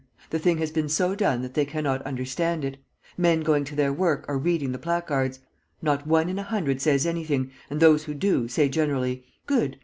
The thing has been so done that they cannot understand it. Men going to their work are reading the placards. Not one in a hundred says anything, and those who do, say generally, 'Good!